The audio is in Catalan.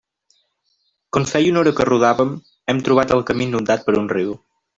Quan feia una hora que rodàvem, hem trobat el camí inundat per un riu.